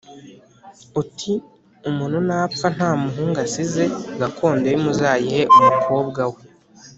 uti umuntu napfa nta muhungu asize gakondo ye muzayihe umukobwa we